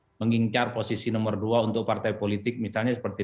untuk mengincar posisi nomor dua untuk partai politik misalnya seperti